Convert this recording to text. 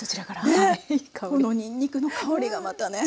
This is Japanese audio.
ねこのにんにくの香りがまたね。